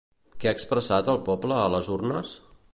Què ha expressat el poble a les urnes?